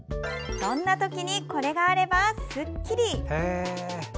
そんなときにこれがあればスッキリ！